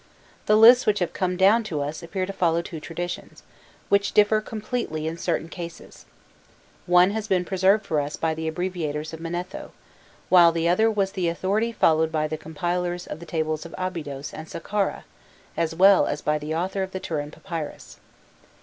The lists which have come down to us appear to follow two traditions, which differ completely in certain cases: one has been preserved for us by the abbreviators of Manetho, while the other was the authority followed by the compilers of the tables of Abydos and Saqqara, as well as by the author of the Turin Papyrus.